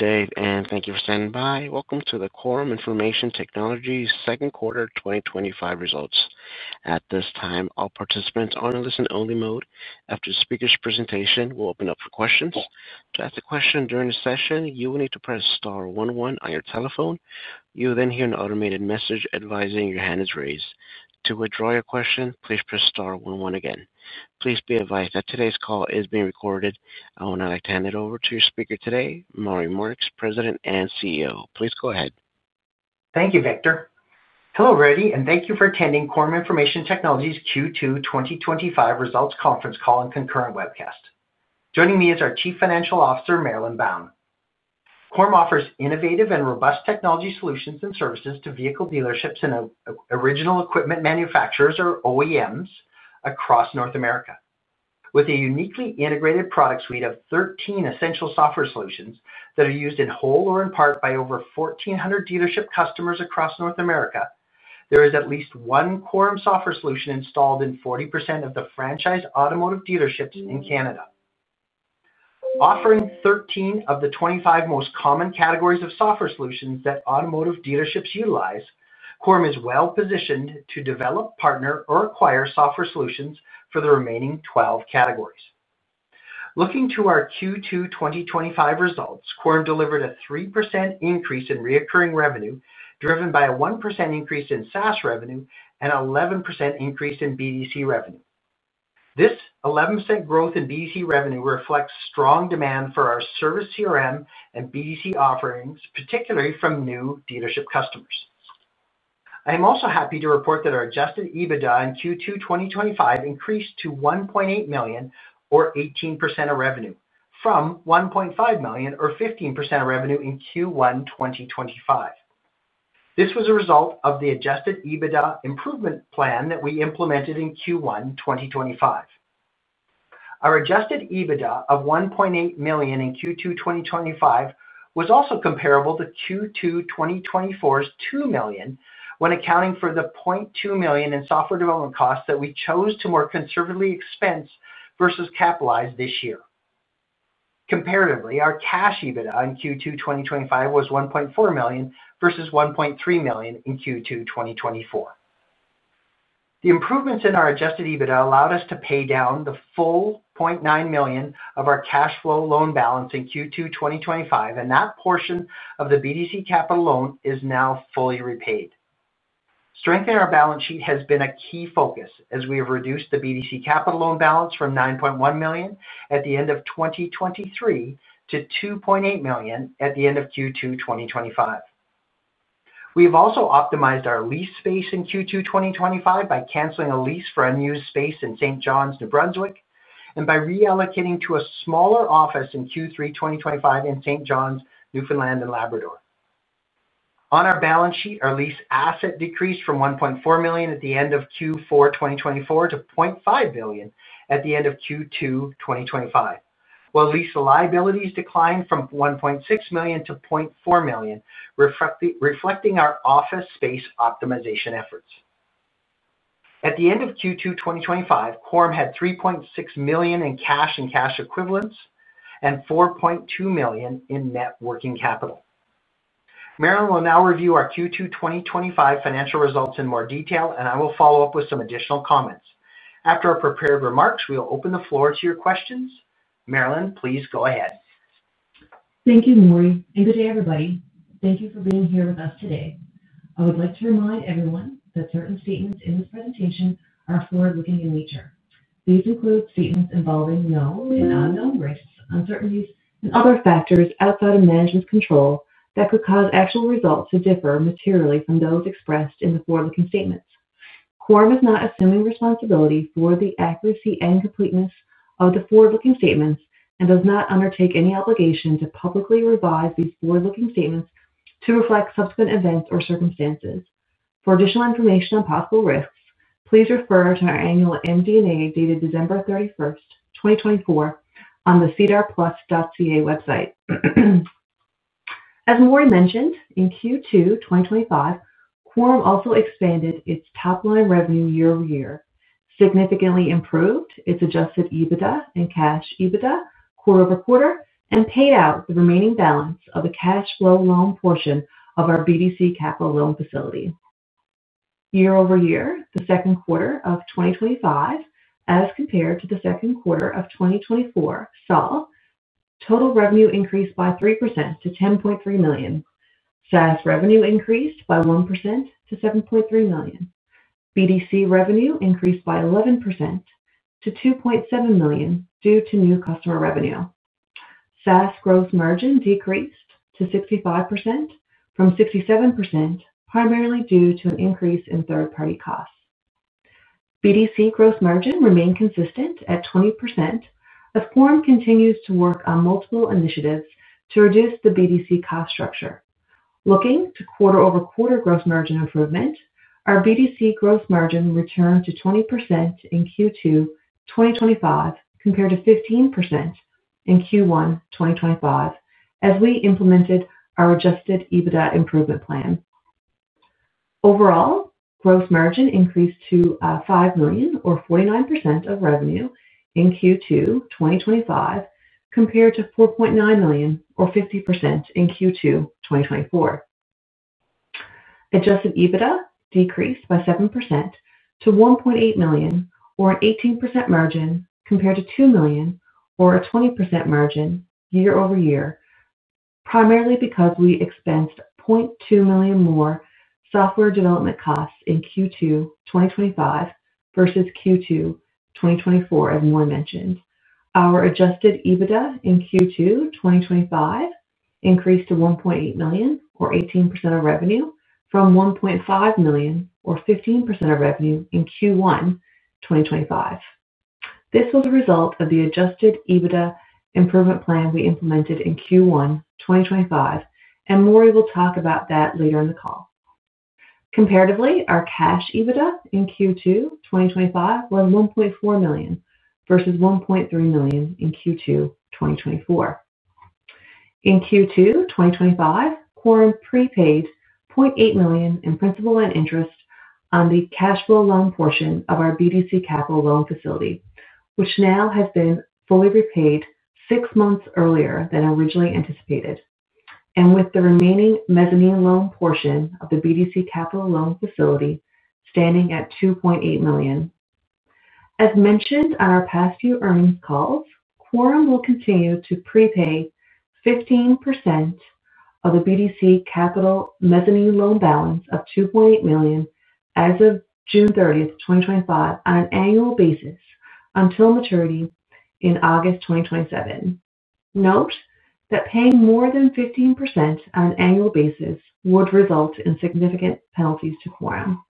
Today, and thank you for standing by. Welcome to the Quorum Information Technologies' Second Quarter 2025 results. At this time, all participants are in a listen-only mode. After the speaker's presentation, we'll open it up for questions. To ask a question during the session, you will need to press star one one on your telephone. You will then hear an automated message advising your hand is raised. To withdraw your question, please press star one one again. Please be advised that today's call is being recorded. I would now like to hand it over to your speaker today, Maury Marks, President and CEO. Please go ahead. Thank you, Victor. Hello everybody, and thank you for attending Quorum Information Technologies' Q2 2025 Results Conference Call and concurrent webcast. Joining me is our Chief Financial Officer, Marilyn Bown. Quorum offers innovative and robust technology solutions and services to vehicle dealerships and original equipment manufacturers, or OEMs, across North America. With a uniquely integrated product suite of 13 essential software solutions that are used in whole or in part by over 1,400 dealership customers across North America, there is at least one Quorum software solution installed in 40% of the franchised automotive dealerships in Canada. Offering 13 of the 25 most common categories of software solutions that automotive dealerships utilize, Quorum is well-positioned to develop, partner, or acquire software solutions for the remaining 12 categories. Looking to our Q2 2025 results, Quorum delivered a 3% increase in recurring revenue, driven by a 1% increase in SaaS revenue and an 11% increase in BDC revenue. This 11% growth in BDC revenue reflects strong demand for our service CRM and BDC offerings, particularly from new dealership customers. I am also happy to report that our adjusted EBITDA in Q2 2025 increased to $1.8 million, or 18% of revenue, from $1.5 million, or 15% of revenue in Q1 2025. This was a result of the adjusted EBITDA improvement plan that we implemented in Q1 2025. Our adjusted EBITDA of $1.8 million in Q2 2025 was also comparable to Q2 2024's $2 million when accounting for the $0.2 million in software development costs that we chose to more conservatively expense versus capitalize this year. Comparatively, our cash EBITDA in Q2 2025 was $1.4 million versus $1.3 million in Q2 2024. The improvements in our adjusted EBITDA allowed us to pay down the full $0.9 million of our cash flow loan balance in Q2 2025, and that portion of the BDC Capital loan is now fully repaid. Strengthening our balance sheet has been a key focus as we have reduced the BDC Capital loan balance from $9.1 million at the end of 2023 to $2.8 million at the end of Q2 2025. We have also optimized our lease space in Q2 2025 by canceling a lease for unused space in St. John's, New Brunswick, and by reallocating to a smaller office in Q3 2025 in St. John's, Newfoundland and Labrador. On our balance sheet, our lease asset decreased from $1.4 million at the end of Q4 2024 to $0.5 million at the end of Q2 2025, while lease liabilities declined from $1.6 million to $0.4 million, reflecting our office space optimization efforts. At the end of Q2 2025, Quorum had $3.6 million in cash and cash equivalents and $4.2 million in net working capital. Marilyn will now review our Q2 2025 financial results in more detail, and I will follow up with some additional comments. After our prepared remarks, we'll open the floor to your questions. Marilyn, please go ahead. Thank you, Maury. Good day, everybody. Thank you for being here with us today. I would like to remind everyone that certain statements in this presentation are forward-looking in nature. These include statements involving known and unknown risks, uncertainties, and other factors outside of management's control that could cause actual results to differ materially from those expressed in the forward-looking statements. Quorum is not assuming responsibility for the accuracy and completeness of the forward-looking statements and does not undertake any obligation to publicly revise these forward-looking statements to reflect subsequent events or circumstances. For additional information on possible risks, please refer to our annual MD&A dated December 31st, 2024, on the sedarplus.ca website. As Maury mentioned, in Q2 2025, Quorum also expanded its top-line revenue year-over-year, significantly improved its adjusted EBITDA and cash EBITDA quarter-over-quarter, and paid out the remaining balance of the cash flow loan portion of our BDC Capital loan facility. Year-over-year, the second quarter of 2025, as compared to the second quarter of 2024, saw total revenue increase by 3% to $10.3 million. SaaS revenue increased by 1% to $7.3 million. BDC revenue increased by 11% to $2.7 million due to new customer revenue. SaaS gross margin decreased to 65% from 67%, primarily due to an increase in third-party costs. BDC gross margin remained consistent at 20% as Quorum continues to work on multiple initiatives to reduce the BDC cost structure. Looking to quarter-over-quarter gross margin improvement, our BDC gross margin returned to 20% in Q2 2025 compared to 15% in Q1 2025 as we implemented our adjusted EBITDA improvement plan. Overall, gross margin increased to $5 million, or 49% of revenue in Q2 2025 compared to $4.9 million, or 50% in Q2 2024. Adjusted EBITDA decreased by 7% to $1.8 million, or an 18% margin compared to $2 million, or a 20% margin year-over-year, primarily because we expensed $0.2 million more software development costs in Q2 2025 versus Q2 2024, as Maury mentioned. Our adjusted EBITDA in Q2 2025 increased to $1.8 million, or 18% of revenue, from $1.5 million, or 15% of revenue in Q1 2025. This was a result of the adjusted EBITDA improvement plan we implemented in Q1 2025, and Maury will talk about that later in the call. Comparatively, our cash EBITDA in Q2 2025 was $1.4 million versus $1.3 million in Q2 2024. In Q2 2025, Quorum prepaid $0.8 million in principal and interest on the cash flow loan portion of our BDC Capital loan facility, which now has been fully repaid six months earlier than originally anticipated, and with the remaining mezzanine loan portion of the BDC Capital loan facility standing at $2.8 million. As mentioned on our past few earnings calls, Quorum will continue to prepay 15% of the BDC Capital mezzanine loan balance of $2.8 million as of June 30th, 2025, on an annual basis until maturity in August 2027. Note that paying more than 15% on an annual basis would result in significant penalties to Quorum.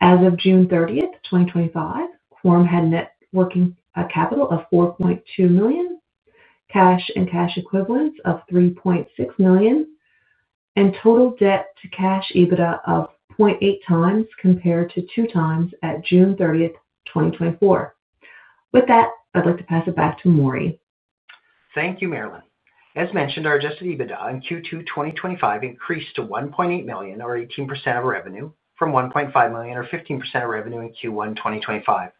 As of June 30th, 2025, Quorum had net working capital of $4.2 million, cash and cash equivalents of $3.6 million, and total debt to cash EBITDA of 0.8x compared to 2x at June 30th, 2024. With that, I'd like to pass it back to Maury. Thank you, Marilyn. As mentioned, our adjusted EBITDA in Q2 2025 increased to $1.8 million, or 18% of revenue, from $1.5 million, or 15% of revenue in Q1 2025.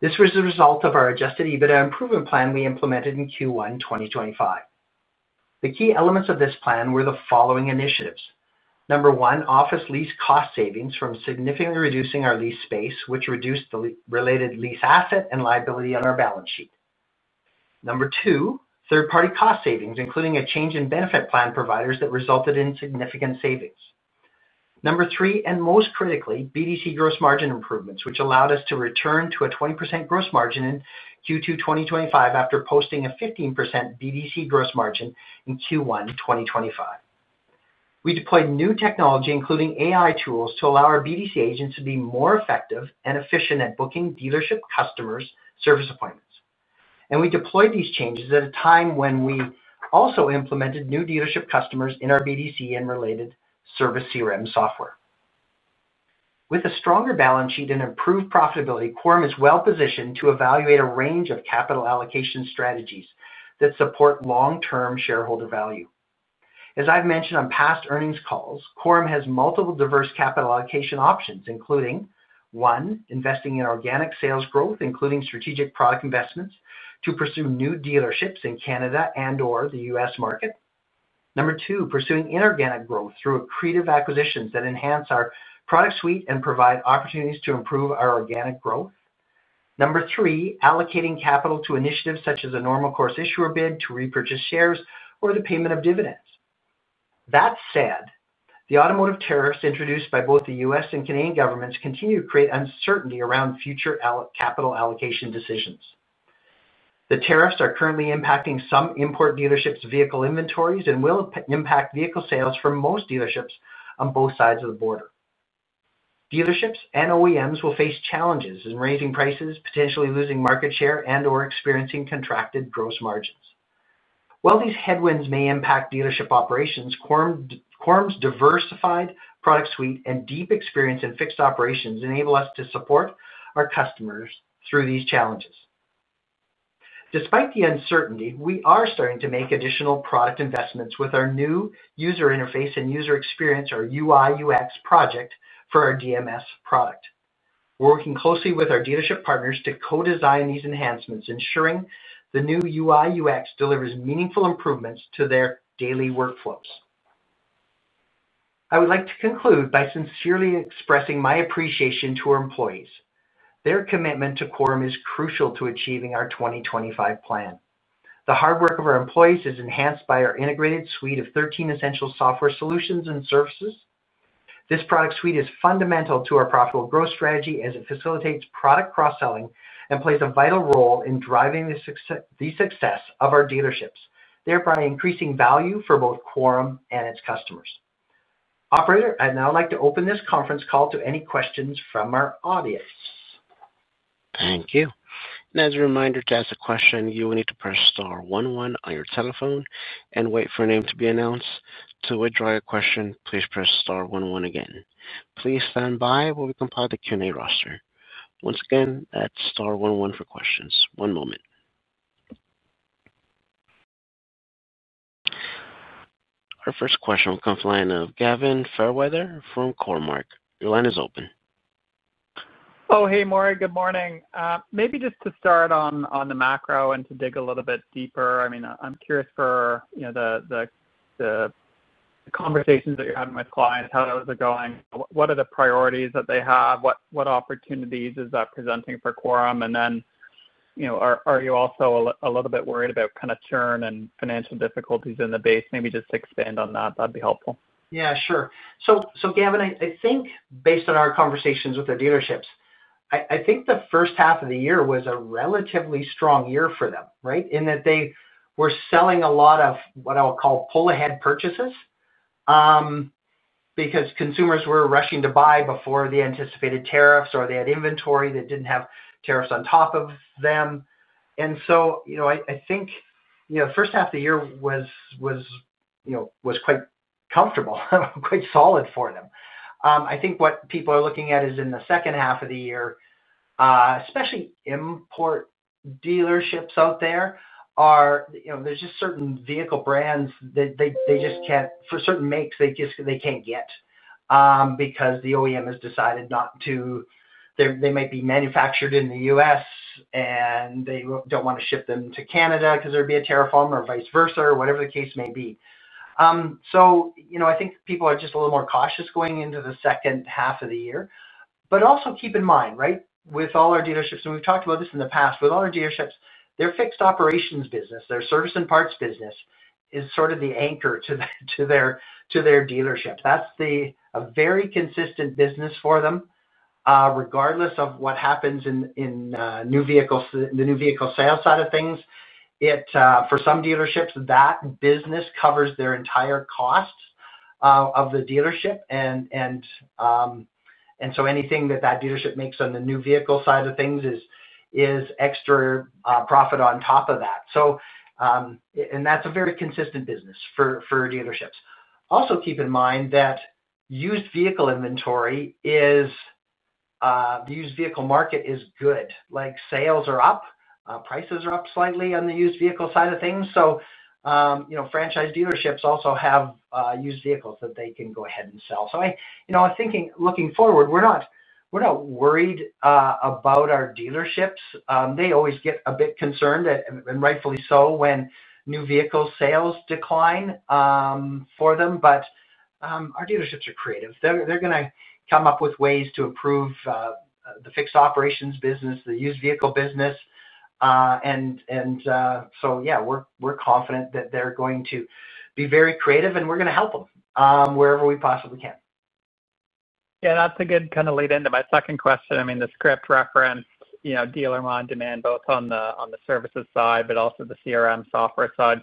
This was the result of our adjusted EBITDA improvement plan we implemented in Q1 2025. The key elements of this plan were the following initiatives: Number one, office lease cost savings from significantly reducing our lease space, which reduced the related lease asset and liability on our balance sheet. Number two, third-party cost savings, including a change in benefit plan providers that resulted in significant savings. Number three, and most critically, BDC gross margin improvements, which allowed us to return to a 20% gross margin in Q2 2025 after posting a 15% BDC gross margin in Q1 2025. We deployed new technology, including AI tools, to allow our BDC agents to be more effective and efficient at booking dealership customers' service appointments. We deployed these changes at a time when we also implemented new dealership customers in our BDC and related service CRM software. With a stronger balance sheet and improved profitability, Quorum is well-positioned to evaluate a range of capital allocation strategies that support long-term shareholder value. As I've mentioned on past earnings calls, Quorum has multiple diverse capital allocation options, including: one, investing in organic sales growth, including strategic product investments, to pursue new dealerships in Canada and/or the U.S. market. Number two, pursuing inorganic growth through creative acquisitions that enhance our product suite and provide opportunities to improve our organic growth. Number three, allocating capital to initiatives such as a normal course issuer bid to repurchase shares or the payment of dividends. That said, the automotive tariffs introduced by both the U.S. and Canadian governments continue to create uncertainty around future capital allocation decisions. The tariffs are currently impacting some import dealerships' vehicle inventories and will impact vehicle sales for most dealerships on both sides of the border. Dealerships and OEMs will face challenges in raising prices, potentially losing market share, and/or experiencing contracted gross margins. While these headwinds may impact dealership operations, Quorum's diversified product suite and deep experience in fixed operations enable us to support our customers through these challenges. Despite the uncertainty, we are starting to make additional product investments with our new user interface and user experience, our UI/UX project for our Dealership Management System product. We're working closely with our dealership partners to co-design these enhancements, ensuring the new UI/UX delivers meaningful improvements to their daily workflows. I would like to conclude by sincerely expressing my appreciation to our employees. Their commitment to Quorum is crucial to achieving our 2025 plan. The hard work of our employees is enhanced by our integrated suite of 13 essential software solutions and services. This product suite is fundamental to our profitable growth strategy as it facilitates product cross-selling and plays a vital role in driving the success of our dealerships, thereby increasing value for both Quorum and its customers. Operator, I'd now like to open this conference call to any questions from our audience. Thank you. As a reminder, to ask a question, you will need to press star one one on your telephone and wait for a name to be announced. To withdraw your question, please press star one one again. Please stand by while we compile the Q&A roster. Once again, that's star one one for questions. One moment. Our first question will come from the line of Gavin Fairweather from Cormark. Your line is open. Oh, hey, Maury. Good morning. Maybe just to start on the macro and to dig a little bit deeper, I'm curious for the conversations that you're having with clients, how those are going, what are the priorities that they have, what opportunities is that presenting for Quorum, and then, are you also a little bit worried about kind of churn and financial difficulties in the base? Maybe just expand on that. That'd be helpful. Yeah, sure. So, Gavin, I think based on our conversations with the dealerships, the first half of the year was a relatively strong year for them, right? In that they were selling a lot of what I would call pull-ahead purchases because consumers were rushing to buy before the anticipated tariffs, or they had inventory that didn't have tariffs on top of them. I think the first half of the year was quite comfortable, quite solid for them. What people are looking at is in the second half of the year, especially import dealerships out there, there are just certain vehicle brands that they just can't, for certain makes, they just can't get because the OEM has decided not to, they might be manufactured in the U.S. and they don't want to ship them to Canada because there would be a tariff on them or vice versa, or whatever the case may be. I think people are just a little more cautious going into the second half of the year. Also keep in mind, with all our dealerships, and we've talked about this in the past, with all our dealerships, their fixed operations business, their service and parts business, is sort of the anchor to their dealership. That's a very consistent business for them. Regardless of what happens in the new vehicle sales side of things, for some dealerships, that business covers their entire cost of the dealership. Anything that that dealership makes on the new vehicle side of things is extra profit on top of that. That's a very consistent business for dealerships. Also, keep in mind that used vehicle inventory is, the used vehicle market is good. Sales are up, prices are up slightly on the used vehicle side of things. Franchise dealerships also have used vehicles that they can go ahead and sell. Looking forward, we're not worried about our dealerships. They always get a bit concerned, and rightfully so, when new vehicle sales decline for them. Our dealerships are creative. They're going to come up with ways to improve the fixed operations business, the used vehicle business. We're confident that they're going to be very creative, and we're going to help them wherever we possibly can. Yeah, that's a good kind of lead into my second question. I mean, the script referenced, you know, dealer demand, both on the services side but also the CRM software side.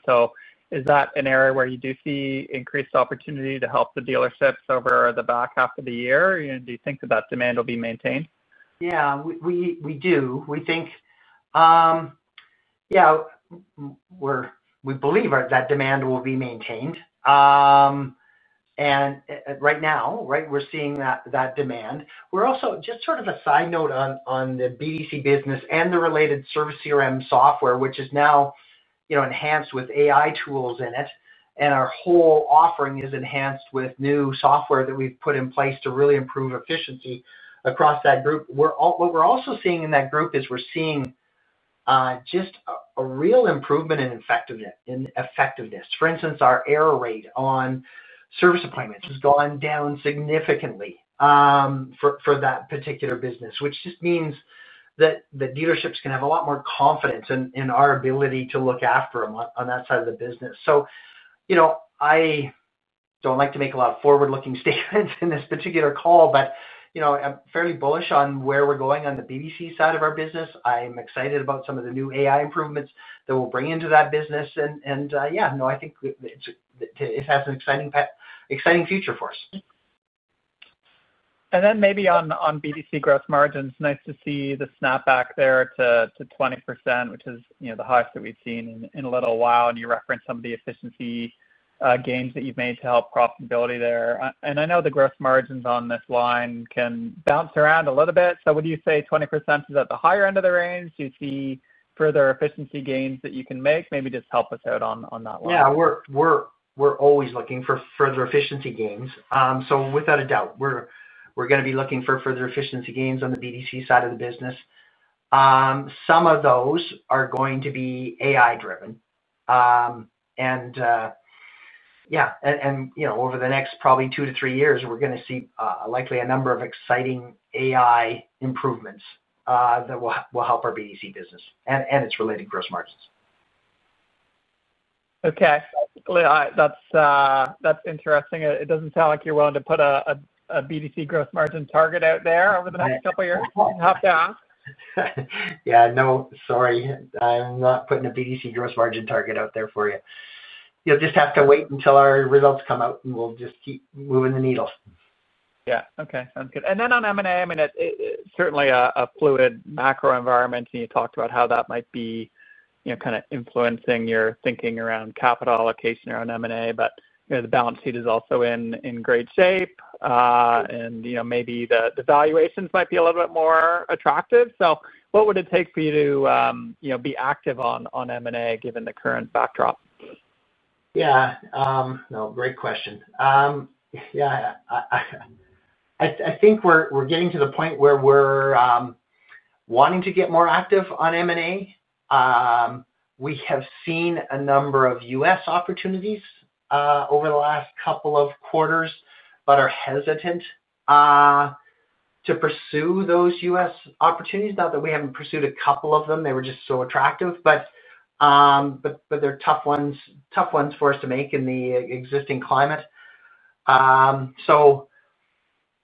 Is that an area where you do see increased opportunity to help the dealerships over the back half of the year? Do you think that that demand will be maintained? Yeah, we do. We think, yeah, we believe that demand will be maintained. Right now, we're seeing that demand. We're also, just as a side note on the BDC business and the related service CRM software, which is now enhanced with AI tools in it. Our whole offering is enhanced with new software that we've put in place to really improve efficiency across that group. What we're also seeing in that group is just a real improvement in effectiveness. For instance, our error rate on service appointments has gone down significantly for that particular business, which means that the dealerships can have a lot more confidence in our ability to look after them on that side of the business. I don't like to make a lot of forward-looking statements in this particular call, but I'm fairly bullish on where we're going on the BDC side of our business. I'm excited about some of the new AI improvements that we'll bring into that business. Yeah, I think it has an exciting future for us. On BDC gross margins, nice to see the snapback there to 20%, which is the highest that we've seen in a little while. You referenced some of the efficiency gains that you've made to help profitability there. I know the gross margins on this line can bounce around a little bit. Would you say 20% is at the higher end of the range? Do you see further efficiency gains that you can make? Maybe just help us out on that one. Yeah, we're always looking for further efficiency gains. Without a doubt, we're going to be looking for further efficiency gains on the BDC side of the business. Some of those are going to be AI-driven. Over the next probably two to three years, we're going to see likely a number of exciting AI improvements that will help our BDC business and its related gross margins. Okay. That's interesting. It doesn't sound like you're willing to put a BDC gross margin target out there over the next couple of years. No, sorry. I'm not putting a BDC gross margin target out there for you. You'll just have to wait until our results come out, and we'll just keep moving the needle. Okay. Sounds good. On M&A, it's certainly a fluid macro environment and you talked about how that might be influencing your thinking around capital allocation around M&A. The balance sheet is also in great shape and maybe the valuations might be a little bit more attractive. What would it take for you to be active on M&A given the current backdrop? Yeah, great question. I think we're getting to the point where we're wanting to get more active on M&A. We have seen a number of U.S. opportunities over the last couple of quarters, but are hesitant to pursue those U.S. opportunities now that we haven't pursued a couple of them. They were just so attractive, but they're tough ones for us to make in the existing climate.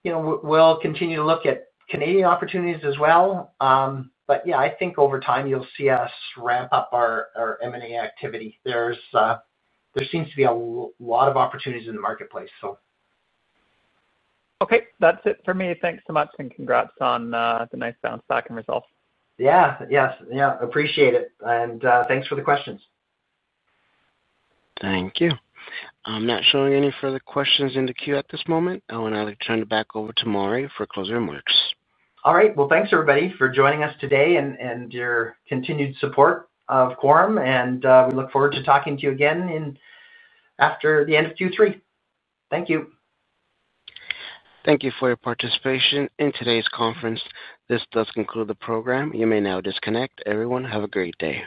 We'll continue to look at Canadian opportunities as well. I think over time you'll see us ramp up our M&A activity. There seems to be a lot of opportunities in the marketplace. Okay, that's it for me. Thanks so much, and congrats on the nice bounce back in results. Yes, appreciate it. Thanks for the questions. Thank you. I'm not showing any further questions in the queue at this moment. I want to turn it back over to Maury for closing remarks. All right, thank you everybody for joining us today and your continued support of Quorum, and we look forward to talking to you again after the end of Q3. Thank you. Thank you for your participation in today's conference. This does conclude the program. You may now disconnect. Everyone, have a great day.